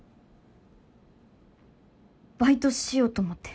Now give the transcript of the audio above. バイトしようと思って。